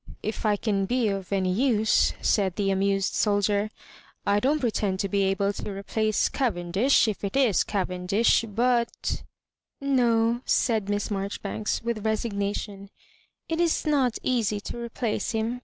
*' If I can be of any use," said the amused soldier. " I don't pretend to be able to replace Cavendish, if it is Cavendish ; but " "No," said Miss Marjoribanks, with resig nation, "it is not easy to replace him.